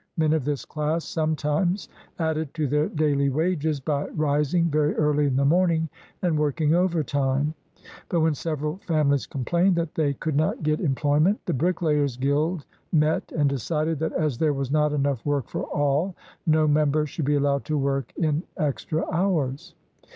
Men of this class sometimes added to their daily wages by rising very early in the morning, and working overtime. But when several families complained that they could not get em ployment, the bricklayers' guild met, and decided that as there was not enough work for all, no member should be allowed to work in extra hours.